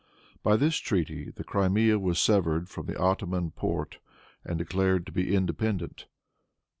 By this treaty the Crimea was severed from the Ottoman Porte, and declared to be independent.